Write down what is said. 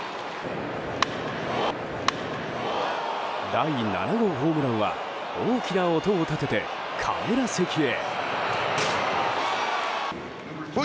第７号ホームランは大きな音を立ててカメラ席へ。